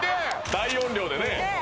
大音量でね